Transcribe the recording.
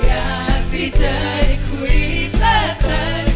อยากพี่เจ๋อให้คุยแปลดลิน